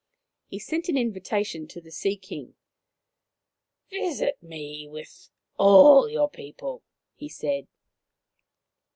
He sent an invitation to the Sea King. " Visit me with all your people," he said.